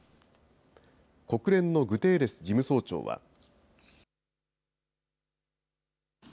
国連のグテーレス事務総長は。